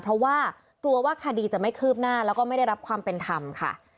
เพราะว่ากลัวว่าคดีจะไม่คืบหน้าแล้วก็ไม่ได้รับความเป็นธรรมค่ะ